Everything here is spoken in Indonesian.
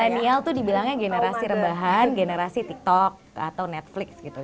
milenial itu dibilangnya generasi rebahan generasi tiktok atau netflix gitu